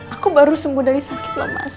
aku baru sembuh dari sakit lah mas